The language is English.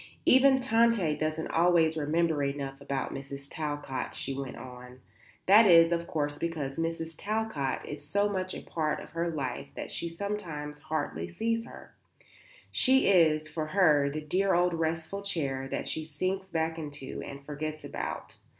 "Even Tante doesn't always remember enough about Mrs. Talcott," she went on. "That is of course because Mrs. Talcott is so much a part of her life that she sometimes hardly sees her. She is, for her, the dear old restful chair that she sinks back into and forgets about.